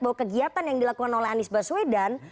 bahwa kegiatan yang dilakukan oleh anies baswedan